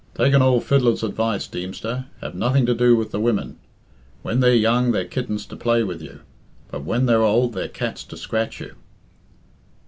"Take an old fiddler's advice, Deemster have nothing to do with the women. When they're young they're kittens to play with you, but when they're old they're cats to scratch you."